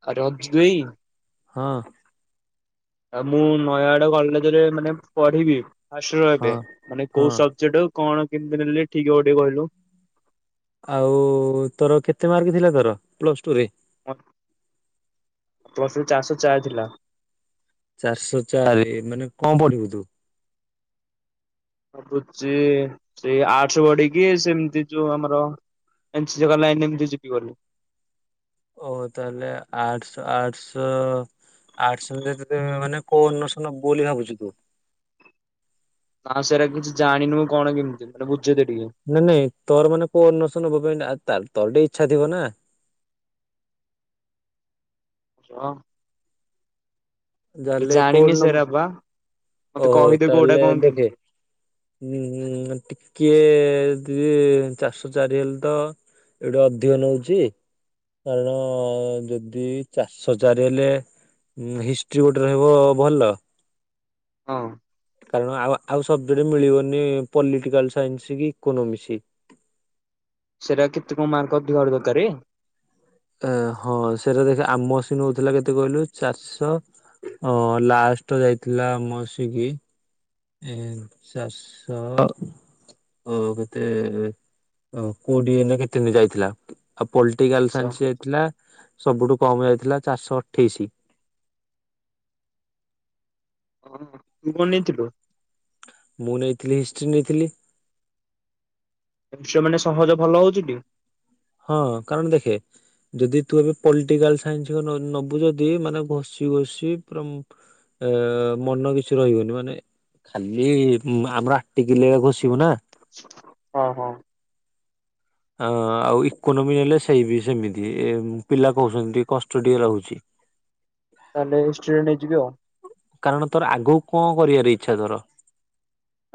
[unintelligible] ହଁ। ଆଉ ମୁଁ ନୟାଗଡ କଲେଜରେ ମାନେ ପଢିବି ଫାଷ୍ଟିଅର୍ ହଁ ଏବେ, ମାନେ ହଁ କୋଉ ସବଜେକ୍ଟ। କଣ କେମିତି ନେଲେ ଠିକ୍ ହବ ଟିକେ କହିଲୁ? ଆଉ ତୋର କେତେ ମାର୍କ ଥିଲା ତୋର ପ୍ଲସ ଟୁ ରେ? ପ୍ଲସ ଟୁ ରେ ଚାରିଶହ ଚାରି ଥିଲା। ଚାରିଶହ ଚାରି ମାନେ କଣ ପଢିବୁ ତୁ? ଭାବୁଚି ସେଇ ଆର୍ଟ୍ସ ପଢିକି ସେମିତି ଯୋଉ ଆମର। [unintelligible] ଓ ତାହେଲେ, ଆର୍ଟ୍ସ ଆର୍ଟ୍ସ। ଆର୍ଟ୍ସ ରେ ମାନେ କୋଉ ଅନର୍ଶ ନବୁ ବୋଲି ଭାବୁଚୁ ତୁ? ନା ସେଇରା କିଛି ଜାଣିନି ମୁଁ କଣ କେମିତି, ମାନେ ବୁଝେଇ ଦେ ଟିକେ। ନାଇଁ ନାଇଁ, ତୋର ମାନେ କୋଉ ଅନର୍ଷ ନବା ପାଇଁ ତୋ ଟେ ଇଚ୍ଛା ଥିବ ନା। [unintelligible] ଯାହେଲେ ଜାଣିନି କୋନ ନବୁ ସେରା ବା ମତେ କହିଦେ କୋଉଟା ତାହେଲେ କଣ ଦେଖେ। କେମିତି ହୁଁ, ଟିକେ ଦେ ଚରିଶହ ଚାରି ହେଲେ ତ। ଏଇଟା ଅଧିକ ନଉଚି। କାରଣ ଯେଦି ଚାରିଶହ ଚାରି ହେଲେ। ଉଁ, ହିଷ୍ଟ୍ରି ଗୋଟେ ରହିବ ଭଲ। ହଁ। କାରଣ ଆଉ ଆଉ ସବଜେକ୍ଟ ମିଳିବନି ପଲିଟିକାଲ ସାଇନ୍ସ କି ଇକୋନୋମିକ୍ସ। ସେଇଟା କେତେ କଣ ମାର୍କ ଅଧିକ ଦରକାର? ଏ ହଁ, ସେଟା ଦେଖ ଆମ ସେ ନଉଥିଲା କେତେ କହିଲୁ ଚାରିଶହ। ଅ ଲାଷ୍ଟ ଯାଇଥିଲା ମସିକି। ଚରିଶହ। ଓ କେତେ କୋଡ଼ିଏ ନା କେତେ କ ଯାଇଥିଲା। ଆଉ ପଲିଟିକାଲ ଆଚ୍ଛା ସାଇନ୍ସ ଯାଇଥିଲା ସବୁଠୁ କମ ଯାଇଥିଲା ଚାରିଶହ ଅଠେଇଶି। ହଁ ତୁ କଣ ନେଇଥିଲୁ? ମୁଁ ନେଇଥିଲି ହିଷ୍ଟ୍ରି ନେଇଥିଲି। ହିଷ୍ଟ୍ରି ମାନେ ସହଜ ଭଲ ହଉଚି ଟି? ହଁ କାରଣ ଦେଖେ। ଯଦି ତୁ ଏବେ ପଲିଟିକାଲ୍ ସାଇନ୍ସ ନ-ନବୁ ଯଦି ମାନେ ବସି ବସି ପୁରା ମୁଁ ଏ ମନ କିଛି ରହିବନି ମାନେ ଖାଲି ଉଁ, ଆମର ଆଟିକିଲେ ବସିବୁ ନା। ଓ ହଁ। ଅ, ଆଉ ଇକୋନୋମି ନେଲେ ସେଇ ବି ସେମିତି ଏ ପିଲା କହୁଛନ୍ତି କଷ୍ଟ ଟିକେ ରହୁଛି। ତାହେଲେ ହିଷ୍ଟ୍ରି ନେଇଯିବି ଆଉ। କାରଣ ତୋର ଆଗକୁ କଣ କରିବାର ଇଚ୍ଛା ତୋର?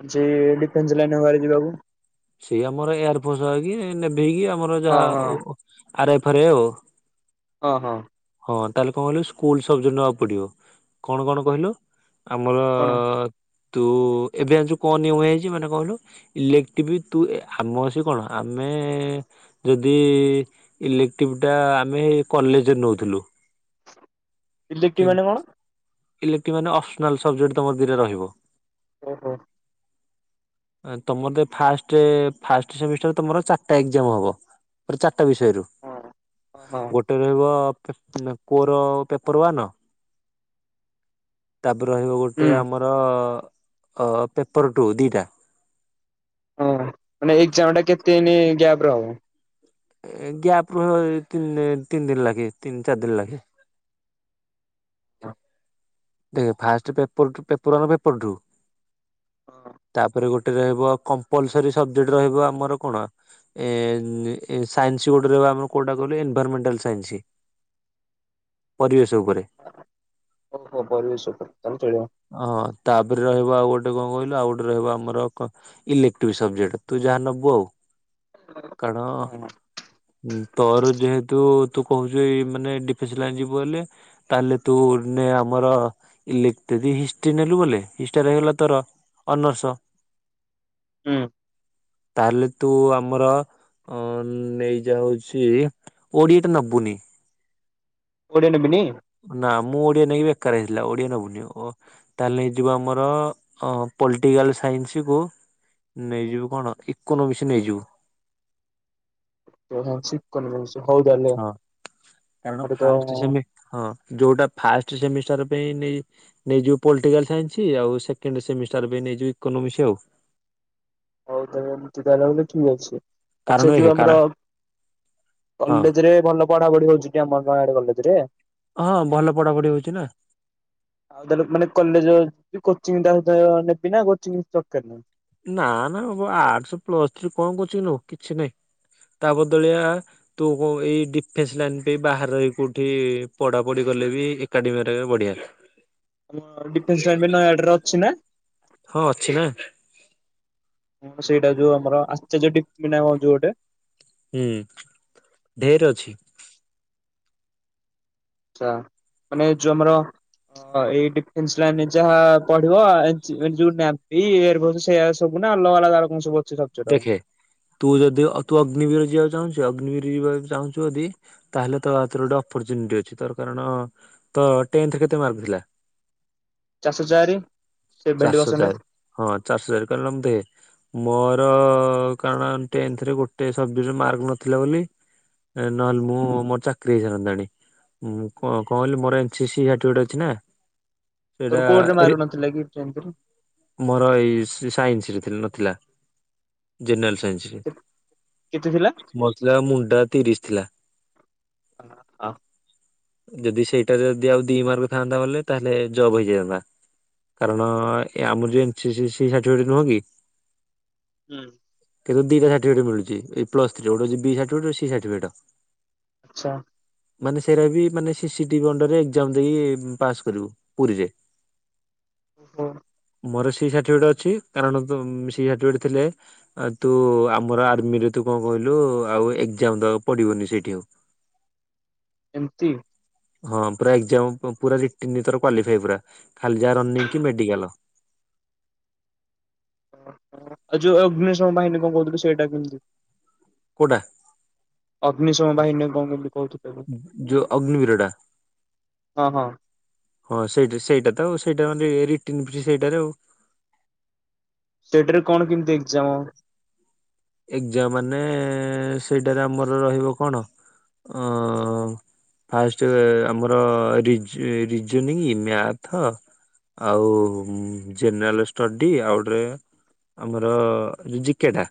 ଅଛି ଡିଫେନ୍ସ ଲାଇନ ମୋର ଯିବାକୁ। ସେ ଆମର ଏୟାର ଫୋର୍ସ ହଏକି ନେଭି କି ଆମର ହଁ ହଁ ଯାହା ଆରଏଫରେ ଆଉ। ଓ ହୋ। ହଁ ତାହେଲେ କଣ କହିଲୁ ସ୍କୁଲ୍ ସବଜେକ୍ଟ ନବାକୁ ପଡିବ। କଣ କଣ କହିଲୁ? ଆମର କଣ? ତୁ ଏବେ ଜାଣିଛୁ କଣ ନିୟମ ହେଇଛି ମାନେ କହିଲୁ ଇଲେ ଟିବି ଏ ତୁ ଆମ ସେ କଣ ଆମେ ଯଦି ଇଲେକ୍ଟିଭ୍ ଟା ଆମେ କଲେଜ୍ ରେ ନଉଥିଲୁ। ଇଲେକ୍ଟ୍ରି ମାନେ କଣ କିନ୍ତ ଇଲେକ୍ଟିଭ୍ ମାନେ ଅପସନାଲ୍ ସବଜେକ୍ଟ ତୋମ ଦିଟା ରହିବ। ଓହୋ। ତୋମର ତ ଫାର୍ଷ୍ଟ ଫାର୍ଷ୍ଟ ସେମିଷ୍ଟାର ତୋମର ଚାଟା ଏକ୍ସାମ୍ ହବ। ତୋର ଚାଟା ବିଷୟରୁ। ହଁ, ହଁ, ହଁ। ଗୋଟେ ରହିବ ପେ-ଉଁ, କୋର ପେପର୍ ୱାନ୍। ତାପରେ ରହିବ ଗୋଟେ ହୁଁ ଆମର ଅ, ପେପର୍ ଟୁ ଦିଟା। ଓ ହଁ ମାନେ ଏକ୍ଜାମ୍ ଟା କେତେ ଦିନି ଗ୍ୟାପ୍ ର ହବ? ଏ ଗ୍ୟାପ୍ ରୁହିବ ଏଇ ତିନି ତିନ ଦିନ ଲାଗେ ତିନ ଚାରି ଦିନ ଲାଗେ। ଦେଖ first paper two paper one paper two. ହଁ। ତାପରେ ଗୋଟେ ରହିବ କମ୍ପଲସରୀ ସବଜେକ୍ଟ ରହିବ ଆମର କଣ? ଏ ଉଁ, ଏ ସାଇନ୍ସ ଗୋଟେ ରହିବ ଆମର କୋଉଟା କହିଲ ଏନଭରମେଣ୍ଟାଲ୍ ସାଇନ୍ସି। ପରିବେଶ ଉପରେ। ଓ, ଓହୋ ପରିବେଶ ଉପରେ ତାହେଲେ ଚଳିବ। ଅଁ, ହଁ ତାପରେ ରହିବା ଆଉ ଗୋଟେ କଣ କହିଲୁ ଆଉ ଗୋଟେ ରହିବ ଆମର କ ଇଲେକ୍ଟ୍ର ସବଜେକ୍ଟ ତୁ ଯାହା ନବୁ ଆଉ, କାରଣ ହଁ ଉଁ, ତୋର ଯେହେତୁ ତୁ କହୁଛୁ ଏଇ ମାନେ ଡିଫେନ୍ସ ଲାଇନି ଯିବୁ ବୋଲି। ତାହେଲେ ତୁ ନେ ଆମରି ଇଲେକ୍ଟ୍ରି ହିଷ୍ଟି ନେଲୁ ବୋଲେ ହିଷ୍ ଟା ରହିଗଲା ତୋର। ଅନର୍ସ। ଉଁ, ତାହେଲେ ତୁ ଆମର ଅ, ନେଇ ଯାହା ହଉଛି ଓଡିଆ ଟା ନବୁନି। ଓଡ଼ିଆ ନେବିନି? ନା ମୁଁ ଓଡ଼ିଆ ନେଇ ବେକାର ହେଇଥିଲା ଓଡ଼ିଆ ନବୁନି। ଓ ତାହେଲେ ହେଇଯିବ ଆମର ଅ, ପଲିଟିକାଲ ସାଇନ୍ସ କୁ ନେଇଯିବୁ କଣ ଇକୋନୋମିକ୍ସ ନେଇଯିବୁ। [unintelligible] ଇକୋନୋମିସ୍ ହଉ ତାହେଲେ ହଁ କାରଣ ଆମର ତ ଫାଷ୍ଟ ଅଁ, ସେମି ହଁ ଯୋଉଟା ଫାଷ୍ଟ ସେମିଷ୍ଟାର ପାଇଁ ନେଇ ନେଇଯିବୁ ପଲିଟିକାଲ ସାଇନ୍ସ ଆଉ ସେକଣ୍ଡ ସେମିଷ୍ଟାର ବି ନେଇଯିବୁ ଇକୋନୋମିସ୍ ଆଉ। ହଉ ତାହେଲେ ଏମତି ତାହେଲେ ହେଲେ ଠିକ୍ ଅଛି। କାରଣ ଆଚ୍ଛା ଯୋଉ ଦେଖେ କାର ଆମର ହଁ କଲେଜରେ ଭଲ ପଢ଼ାପଢ଼ି ହେଉଛି ଟିଆମ ନୟାଗଡ଼ କଲେଜରେ? ହଁ ଭଲ ପଢ଼ାପଢ଼ି ହଉଛି ନା। ଆଉ ତାହାଲେ ମାନେ କଲେଜ କୋଚିଂ ତା ସହ ନେବି ନା କୋଚିଂ ଦରକାର ନାହିଁ? ନା ନାବ ଆର୍ଟସ୍ ପ୍ଲସ ଥ୍ରୀ କଣ କୋଚିଂ ନବ କିଛି ନାଇଁ ତା ବଦଳିଆ ତୁ କୋଉ ଏଇ ଡିଫେନ୍ସ ଲାଇନ ପାଇଁ ବାହାରେ ରହିକି କୋଉଠି ପଢ଼ାପଢ଼ି କଲେ ବି ଏକାଡେମୀରେ ହେରିକା ରେ ବଢ଼ିଆ। ଆମ ଡିଫେନ୍ସ ଲାଇନ ପାଇଁ ନୟାଗଡ଼ରେ ଅଛି ନା? ହଁ ଅଛି ନା। ହଁ ସେଇଟା ଯୋଉ ଆମର ଆଶ୍ଚର୍ଯ୍ୟ ଟିପିନାମ ଯୋଉ ଗୋଟେ। ହୁଁ ଢେର ଅଛି। ଆଚ୍ଛା ମାନେ ଯୋଉ ଆମର ହଁ ଏଇ ଡିଫେନ୍ସ ଲାଇନରେ ଯାହା ପଢ଼ିବ ଯୋଉ ନାଭି ଏୟାରଫୋର୍ସ ଇଏରେ ସେଇୟା ଆସୁଛି। ସବୁ ନା ଅଲଗା ଅଲଗାର ସବୁ ଅଛି ସବଜେକ୍ଟ ଆଉ ଦେଖେ ତୁ ଯଦି ତୁ ଅଗ୍ନିବିର ଯିବାକୁ ଚାହୁଁଛୁ ଅଗ୍ନିବିର ଯିବାକୁ ଚାହୁଁଛୁ ଯଦି ତାହେଲେ ତୋ ହାତରେ ଗୋଟେ ଅପରଚ୍ୟୁନିଟି ଅଛି ତୋର କାରଣ ଟେନ୍ଥ ରେ କେତେ ମାର୍କ ଥିଲା? ଚାରିଶହ ଚାରି। ସେଭେଣ୍ଟି ଚାରିଶହ ପରସେଣ୍ଟ ଚାରି ହଁ ଚାରିଶହ ହଜାର କହ ଦେ ମୋର କାରଣ ତେନ୍ଥରେ ଗୋଟେଏ ସବଜେକ୍ଟରେ ମାର୍କ ନଥିଲା ବୋଲି ନହେଲେ ମୁଁ ମୋର ଚାକିରି ହେଇସାରନ୍ତାଣି ମୁଁ କ କଣ କହିଲି ମୋର ଏନ୍ ସି ସି ଗୋଟେ ଅଛି ନା ତୋର କୋଉ ଠିରେ ସେଇଟା ମାର୍କ ନ ଥିଲା କି ତେନ୍ଥରେ? ମୋର ଏଇ ସାଇନ୍ସ ରେ ନଥିଲା ଜେନେରାଲ ସାଇନ୍ସ। ରେ। କେତେ ଥିଲା? ମୋର ଥିଲା ମୁଣ୍ଡ ତିରିଶ ଥିଲା। ହଁ ଯଦି ସେଇଟାରେ ଯଦି ଆଉ ଦି ମାର୍କ ଥାନ୍ତା ବେଳେ ତାହେଲେ ଜବ ହେଇଯାଇଥାନ୍ତା। କାରଣ ଏ ଆମର ଯୋଉ ଏନ୍ ସି ସି ସାଠିଫିକେଟ୍ ନୁହଁ କି ହୁଁ। କିନ୍ତୁ ଦିଟା ସାଠିଫିକେଟ ମିଳୁଛି ଏଇ ପ୍ଲସ ଥ୍ରି ତିନିର ଗୋଟେ ବି ସାଠିଫିକେଟ ସି ସାଠିଫିକେଟ। ଆଚ୍ଛା। ମାନେ ସେରାବି ବି ମାନେ ସିସିଟିଭି ଅଣ୍ଡରରେ ଏକ୍ଜାମ ଦେଇକି ପାସ୍ କରିବୁ ପୁରୀରେ। ଓହୋ। ମୋର ସି ସାର୍ଟିଫିକେଟ ଅଛି କାରଣ ସି ସାର୍ଟିଫିକେଟ ଥିଲେ ଆଉ ତୁ ଆମର ଆର୍ମିରେ ତୁ କଣ କହିଲୁ ଆଉ ଏକ୍ଜାମ ଦବାକୁ ପଡ଼ିବନି ସେଇଠି ଆଉ ଏମିତି? ହଁ ପୁରା ଏକ୍ଜାମ ପୁରା ରିଟିନ୍ ଭିତର କ୍ୱାଲିଫାଇ ପୁରା ଖାଲି ଯାହାର ରନିଙ୍ଗ କି ମେଡ଼ିକାଲ୍। ଆଉ ଯୋଉ ଅଗ୍ନିଶମ ବାହିନୀ କଣ କହୁଥିଲୁ ସେଇଟା କେମିତି? କୋଉଟା? ଅଗ୍ନିଶମ ବାହିନୀ କଣ ବୋଲି କହୁଥିଲୁ। ଯୋଉ ଅଗ୍ନିବୀର ଟା ହଁ ହଁ। ହଁ ସେଇଟା ସେଇଟା ତ ଆଉ ସେଇଟା ମାନେ ରିଟିନ୍ ସେଇଟାରେ ଆଉ ସେଇଟାରେ କଣ କେମିତି ଏକ୍ଜାମ? ଏକ୍ସାମ ମାନେ ସେଇଟାରେ ଆମର ରହିବ କଣ ଅ ଫାଷ୍ଟ ଆମର ରିଜନିଙ୍ଗ ମ୍ୟାଥ ଆଉ ଜେନେରାଲ ଷ୍ଟଡି ଆଉ ଗୋଟେ ଆମର ଜ-ଜ-ଜିକେଟା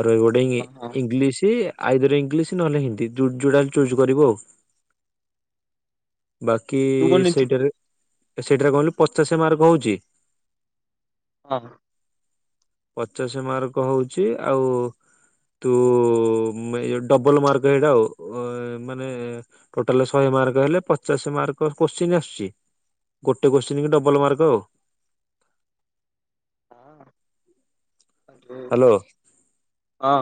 ଆର ଗୋଟେ ହଁ ହଁ ଇଂଲିଶ୍ ଆଇଦର ଇଂଲିଶ୍ ନ ହେଲେ ହିନ୍ଦୀ ଯୋଉଟା ଚୁଜ୍ କରିବ ଆଉ। ବାକି ତୁ କଣ ନେଇଥିଲୁ ସେଇଟାରେ ସେଇଟାରେ କଣ କି ପଚାଶ ମାର୍କ ହଉଛି। ହଁ ପଚାଶ ମାର୍କ ହଉଚି, ଆଉ ତୁ ଡବଲ୍ ମାର୍କ ସେଇଟା ଆଉ। ଟୋଟାଲ୍ ଶହେ ମାର୍କ ହେଲେ ପଚାଶ ମାର୍କ କୋଶ୍ଚିନ୍ ଆସୁଛି। ଗୋଟେ କୋଶ୍ଚିନ୍ କି ଡବଲ ମାର୍କ ଆଉ। ହଁ ହ୍ୟାଲୋ। ହଁ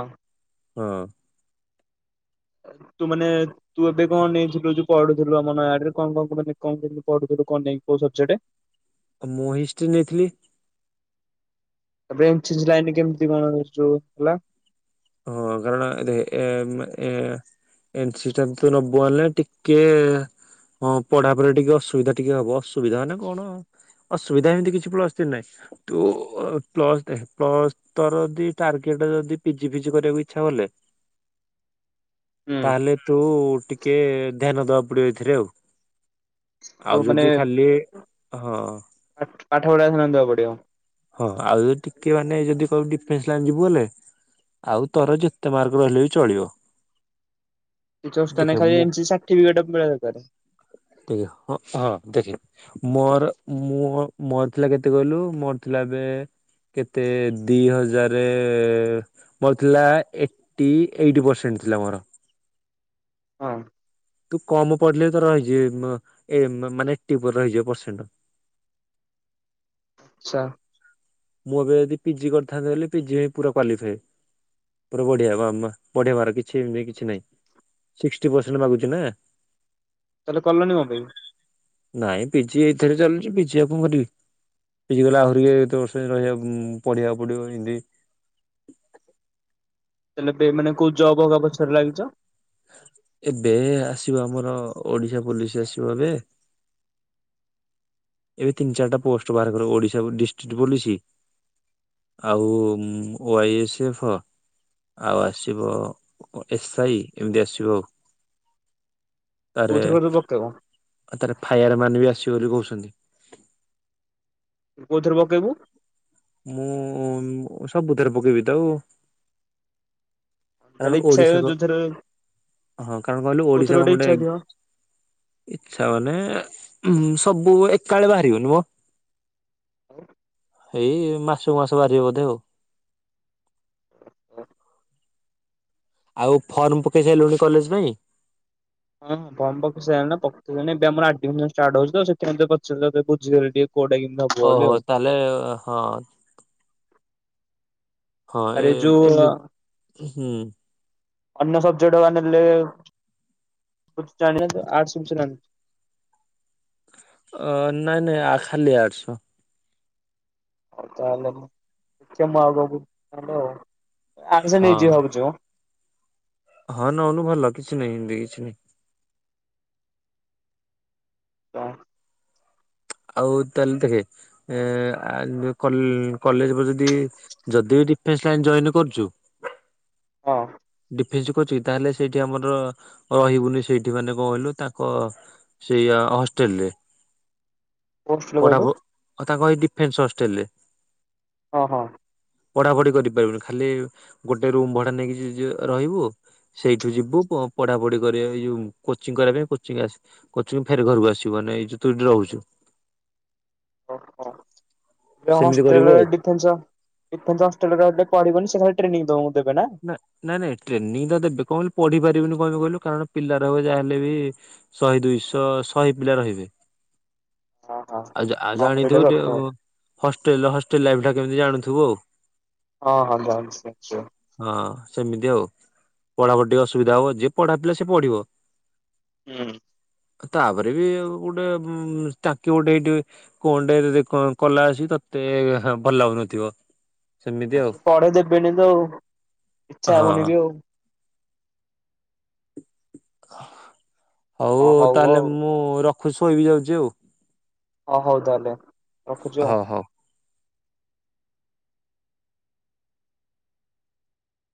ତୁ ମାନେ ତୁ ଏବେ କଣ ନେଇଚୁ [unintelligible] ପଢୁଥିଲୁ ଆମେ ନୟାଗଡରେ କଣ କଣ କଣ ପଢୁଥିଲୁ କଣ କୋଉ [unintelligible] ସବ୍ଜେକ୍ଟ୍ ଆଉ ମୁଁ ହିଷ୍ଟ୍ରି ନେଇଥିଲି। [unintelligible] ଲାଇନ୍ କେମିତି କଣ କରଛ? ହେଲା ହଁ କାରଣ ଏମ୍ ଏୟା ଏନସି ଟା ତ ନବ ନା ଟିକେ ହଁ ପଢାପଢି ଟିକେ ଅସୁବିଧା ଟିକେ ହବ। ଅସୁବିଧା ମାନେ କଣ ଅସୁବିଧା ଏମତି କିଛି ପ୍ଲସ୍ ଥ୍ରୀ ନାହିଁ। ତୁ ପ୍ଲସ୍ ଦେ ପ୍ଲସ୍ ତର ଯଦି ଟାର୍ଗେଟ ଯଦି ପିଜି ଫିଜି କରିବାକୁ ଇଚ୍ଛା ହଲେ, ହୁଁ ତା ହେଲେ ତୁ ଟି କେ ଧ୍ୟାନ ଦବାକୁ ପଡିବ ଏଥିରେ ଆଉ। ଆଉ ଓ ମାନେ ଯଦି ଖାଲି ହଁ ପାଠ ପଢା ଏଇକ୍ଷିଣା ଦେବାକୁ ପଡିବ। ହଁ ଆଉ ଯଦ ଟିକେ ମାନେ ଯଦି କହିବୁ ଡିଫେନ୍ସ୍ ଲାଇନ୍ ଯିବୁ ହେଲେ ଆଉ ତୋର ଯେତେ ମାର୍କ ରହିଲେ ବି ଚଳିବ। କିଛି ଅସୁବିଧା ଦେଖେ ନାହିଁ। ଖାଲି ଏନ୍ସି ସାର୍ଟିଫିକେଟ୍ ଥିବାଟା ଦର୍କାର। ଟିକେ ହଁ ହଁ ଦେଖେ। ମୋର ମୋ-ମୋର ଥିଲା କେତେ କହିଲୁ, ମୋର ଥିଲା ଏବେ କେତେ ଦି ହଜାର ମୋର ଥିଲା ଏଇଟି ଏଇଟ୍ ପର୍ସେଣ୍ଟ ଥିଲା ମୋର। ହଁ। ତୁ କମ୍ ପଢିଲେ ତ ରହିଯିବ। ଏ ମାନେ ଏଇଟି ବଦଳିଯିବ ପରସେଣ୍ଟ। ସାର୍। ମୁଁ ଏବେ ଯଦି ପିଜି କରିଥାନ୍ତେ, ବୋଲି ପିଜି ପୁରା କ୍ୱାଲିଫାଏ। ପୁରା ବଢିଆ ବା ବଢେଇବାର କିଛି ବି କିଛି ନାଇଁ। ସିକ୍ଟି ପରସେଣ୍ଟ୍ ମାଗୁଛି ନା। ତା ହେଲେ କଲନି କଣ ପାଇଁ? ନାଇଁ ପିଜି ଏଇଥିରେ ଚାଲିଛି। ପିଜି ଆଉ କଣ କରିବି? ପିଜି କଲେ ଆହୁରି କେତେ ବର୍ଷ। ରହିବା ପଢିବାକୁ ପଡିବ ସେଠି। ତା ହେଲେ ଏବେ ମାନେ କୋଉ ଜବ୍ ହେଇକା ପଛରେ ଲାଗିଚ। ଏବେ ଆସିବ ଆମର, ଓଡିଶା ପୋଲିସ ଆସିବ ଏବେ। ଏବେ ତିନି ଚାରିଟା ପୋଷ୍ଟ ବାହାର କରିବ। ଓଡିଶା ଡିଷ୍ଟ୍ରିକ୍ଟ ପୋଲିସି, ଆଉ ଓ ଆଇ ଏସ୍ ଏଫ୍ ଆଉ ଆସିବ ଏସ୍ ଆଇ। ଏମିତି ଆସିବ ଆଉ। କୋଉଥରେ କୋଥେରେ ପକେଇବ। ଆଉ ତାର ଫାୟାର ମ୍ୟାନ୍ ବି ଆସିବ ବୋଲି କହୁଛନ୍ତି। ତୁ କୋଉଥିରେ ପକେଇବୁ। ମୁଁ ସବୁଥରେ ପକେଇବି ତ ଆଉ। ତାହେଲେ ଇଚ୍ଛା [inaudible] ଯୋଉଥିରେ କୋଉଥିରେ ଗୋଟେ ଇଚ୍ଛା ଥିବ। ଇଚ୍ଛା ମାନେ ଉଁ ସବୁ ଏକାଳେ ବାହାରିବନିମ। ହଉ। ଏଇ ମାସ କୁ ମାସ ବାହାରିବ ବୋଧେ ଆଉ। ଓ ହ। ଆଉ ଫର୍ମ ପକେଇ ସାରିଲୁଣି କଲେଜ ପାଇଁ। ହଁ ବ ପକ ସଣି ପବେ ଆର ଆ ାର୍ଟ ହଉଛି ତ ସେଥିପାଇ ପଚିଲେ ବୁଝିଗଲେ ଟିକେ କୋଟା କେମି [unintelligible] ଓହୋ ତାହେଲେ ହଁ। ହଁ ଏ ଆରେ ଯୋଉ ଏମିତି ହୁଁ। ଅନ୍ୟ ସବଜେକ୍ଟ ବା ନେଲେ ଜାଣ ବୁ ନା ଆର୍ଟ୍ସ ଜାଣିବୁ। ଅ ନାଇଁ ନାଇଁ ଆ ଖାଲିଆ ଆର୍ଟ୍ସ। ହଉ ତାହେଲେ ମୁଁ ଦେଖେଆଉ କାହାକୁ ମୁଁ ଆଗକୁଲେ ଆଉ ଆର୍ଟ୍ସ ହଁ ନେଇଯିବି ଭାବୁଛି ମୋ। ହଁ ନଉନୁ ଭଲ କିଛି ନାହିଁ ହିନ୍ଦୀ କିଛି ନାହିଁ। କଣ। ଆଉ ତାହେଲେ ଟିକେ। ଏ କଲେ କଲେଜ ଯଦି ଯଦି ବି ଡିଫେନ୍ସ ଲାଇନ୍ ଜଏନ୍ କରୁଛୁ। ହଁଉଁ। ଡିଫେନ୍ସ ଚିନ୍ତାତାହେଲେ ସେଇଠି ଆମର ରହିବୁନି ସେଇଠି ମାନେ କଣ କହିଲୁ ତାଙ୍କ। ସେଇଆ ହଷ୍ଟେଲ ରେ। [unintelligible] କୋଉ ପଢା କହିଲୁ ପ ତାଙ୍କଏ ଡିଫେନ୍ସ ହଷ୍ଟେଲରେ। ଓହୋ। ପଢାପଢି କରିପାରିବୁନି ଖାଲି ଗୋଟେ ରୁମ ଭଡା ନେଇକି ଯ ରହିବୁ। ସେଇଠୁ ଯିବୁ ପଢାପଢି କରିବା ଏଇ ଯୋଉ କୋଚିଂ କରିବା ପାଇଁ କୋଚିଂ ଆସି। କୋଚିଂ ରୁ ଫେରେ ଘରକୁ ଆସିବୁ ମାନେ ଏଇ ତୁଇ ରହୁଛୁ। ଓହୋ ହେଲ ସେମିତି କରିବୁ ହୋଷ୍ଟେଲ ଆଉ। ରେଡି। ଏ ଏ ଅଷ୍ଟ୍ରେରେ ରିଲ ପଢିବନି ସେ ଟ୍ରେନିବ ଦେବେ ନା [inaudible] ନାଇଁ ନାଇଁ ଟ୍ରେନିଂ ତ ଦେବେ କଣ କହିଲୁ ପଢିପାରିବେନି କଣ ପାଇଁ କହିଲୁ କାରଣ ପିଲାର ଯାହା ହେଲେ ବି ଶହେ ଦୁଇ ଶହ ଶହେ ପିଲା ରହିବେ। ହଁ ହଁ ଆ ହଁ ସେଇଟା ସତ ଜାଣିଥିବୁ ହଷ୍ଟେଲ ହଷ୍ଟେଲ ଲାଇଫ ଟା କେମତି ଜାଣୁଥିବୁ ଆଉ। ହଁ ହଁ ଜାଣିଛି ଜାଣିଛିହଁ। ହଁ ସେମିତି ଆଉ ପଢା ପଢ଼ି ଟିକେ ଅସୁବିଧା ହବ ଯିଏ ପଢା ପିଲା ସିଏ ପଢିବ। ହୁଁଉଁ। ତାପରେ ବି ଆଉ ଗୋଟେ ଉ ଷ୍ଟାଚୁ ଗୋଟେ ଏଇଟି। କୋଣ ଟେ ଯଦି କଲା ଆସି ତତେ ଭଲ ଲାଗୁନଥିବ ସେମିତି ଆଉ। ପଢେଇ ଦେବେନି ତ ଆଉ ଇଚ୍ଛା ହବନି ହଁ। ବି ଆଉ। ହଉ ହଁ ତାହେଲେ ଆଉ ମୁଁ ରଖୁଛି ଶୋଇବି ଯାଉଛି ଆଉ। ଓହୋ ହଉ ତାହେଲେ ରଖୁଛିୁ ଆଉ। ହଉ ହଉ।